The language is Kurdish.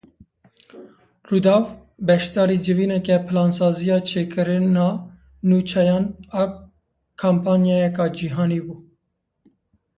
Rûdaw beşdarî civîneke plansaziya çêkirina nûçeyan a kompanyayeke cîhanî bû.